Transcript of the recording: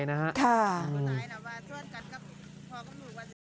คุณตัวไหนนะมาช่วยกันครับพ่อก็ไม่รู้ว่า